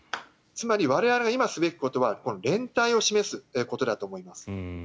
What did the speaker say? つまり我々が今すべきことは連帯を示すことだと思います。